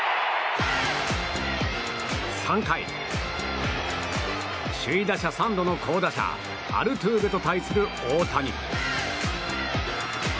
３回、首位打者３度の好打者アルトゥーベと対する大谷。